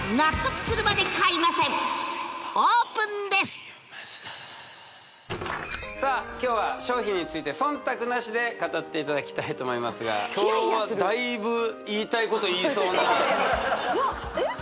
オープンですさあ今日は商品について忖度なしで語っていただきたいと思いますが今日はだいぶ言いたいこと言いそうないやえっ？